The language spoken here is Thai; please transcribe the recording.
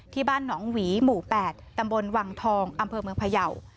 ที่บ้านหนองหวีหมู่๘ตำบลวังทองอำเภอเมืองพยาว